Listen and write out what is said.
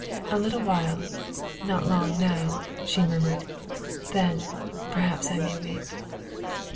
"A little while not long now," she murmured, "then, perhaps I may weep."